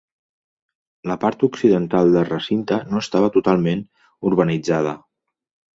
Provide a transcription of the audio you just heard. La part occidental del recinte no estava totalment urbanitzada.